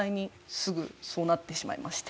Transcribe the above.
すぐそうなってしまいまして。